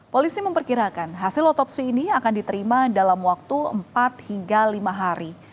polisi memperkirakan hasil otopsi ini akan diterima dalam waktu empat hingga lima hari